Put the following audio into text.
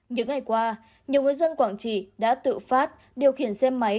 những ngày qua nhiều người dân quảng trị đã tự phát điều khiển xe máy